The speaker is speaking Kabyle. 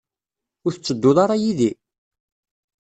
Ur tettedduḍ ara yid-i?